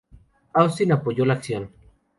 Austin apoyó la acción.